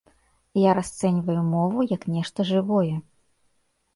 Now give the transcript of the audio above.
Я расцэньваю мову як нешта жывое.